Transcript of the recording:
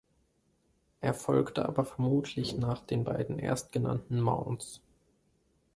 Er folgte aber vermutlich nach den beiden erstgenannten Mounds.